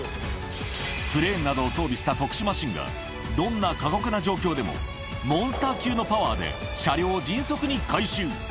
クレーンなどを装備した特殊マシンが、どんな過酷な状況でも、モンスター級のパワーで、車両を迅速に回収。